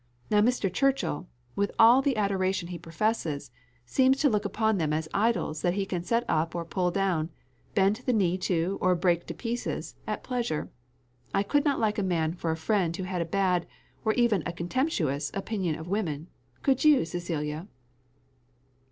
Now Mr. Churchill, with all the adoration he professes, seems to look upon them as idols that he can set up or pull down, bend the knee to or break to pieces, at pleasure I could not like a man for a friend who had a bad, or even a contemptuous, opinion of women could you, Cecilia?"